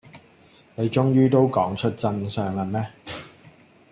你終於都講出真相喇咩